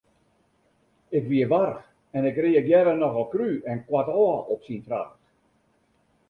Ik wie warch en ik reagearre nochal krú en koartôf op syn fraach.